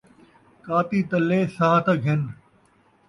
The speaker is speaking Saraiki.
کاتی تلے ساہ تاں گھِن